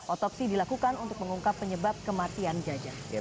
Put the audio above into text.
otopsi dilakukan untuk mengungkap penyebab kematian jajah